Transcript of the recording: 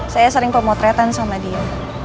saya sering pemotretan sama dia